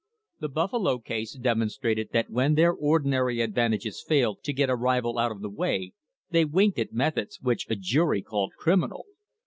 The Buffalo case demonstrated that when their ordinary advantages failed to get a rival out of the way they winked at methods which a jury called criminal.